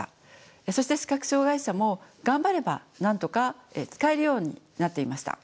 そして視覚障害者も頑張ればなんとか使えるようになっていました。